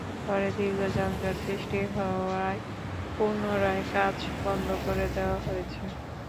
পরে দীর্ঘ যানজট সৃষ্টি হওয়ায় পুনরায় কাজ বন্ধ করে দেওয়া হয়েছে।